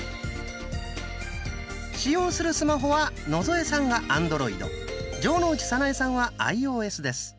使用するスマホは野添さんがアンドロイド城之内早苗さんはアイオーエスです。